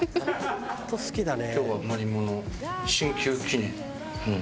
本当好きだね」